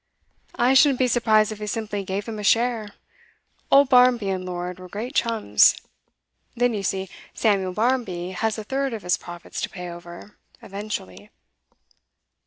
'I shouldn't be surprised if he simply gave him a share. Old Barmby and Lord were great chums. Then, you see, Samuel Barmby has a third of his profits to pay over, eventually.